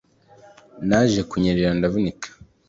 naje kunyerera ndavunika